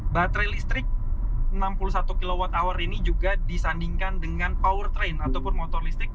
baterai listrik enam puluh satu kwh ini juga disandingkan dengan power train ataupun motor listrik